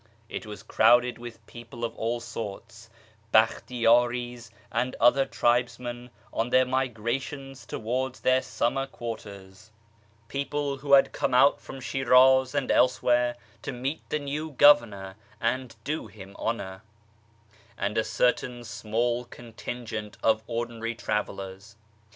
It was crowded with people of all sorts : Bakhtiyari's, and other tribesmen on their migrations towards their summer quarters ; people who had come out from 234 •/ YEAR AAfONGST THE PERSIANS Shiniz aii(i elsewhere to meet the new Governor and do him honour; and a certain small contingent of ordinary travellers.